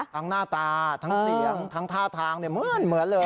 หน้าตาทั้งเสียงทั้งท่าทางเหมือนเลย